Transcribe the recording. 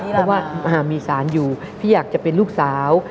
เพราะว่ามีสารอยู่พี่อยากจะเป็นลูกสาว